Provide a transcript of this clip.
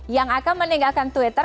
yang akan meninggalkan twitter